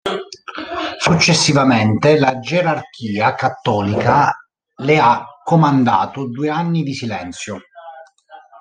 Successivamente la gerarchia cattolica le ha comandato due anni di silenzio.